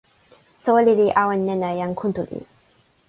soweli li awen nena e jan Kuntuli.